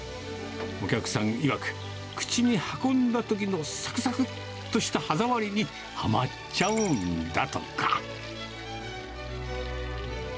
お客さんいわく、口に運んだときのさくさくっとした歯触りにはまっちゃうんだとか。